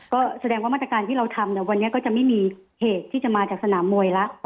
ก็แสดงว่ามาตรการที่เราทำเนี่ยวันนี้ก็จะไม่มีเหตุที่จะมาจากสนามมวยแล้ว